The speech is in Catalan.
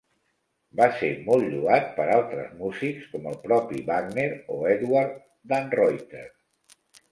Va ser molt lloat per altres músics com el propi Wagner o Edward Dannreuther.